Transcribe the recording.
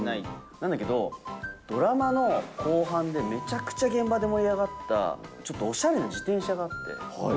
なんだけど、ドラマの後半で、めちゃくちゃ現場で盛り上がった、ちょっとおしゃれな自転車があって。